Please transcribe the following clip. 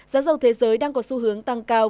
giá dầu thế giới đang có xu hướng tăng cao